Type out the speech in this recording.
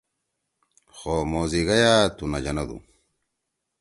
خو موزیگئیأ تُو نہ جنَدُو!